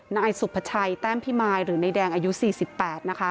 นายสุภาชัยแต้มพิมายหรือนายแดงอายุ๔๘นะคะ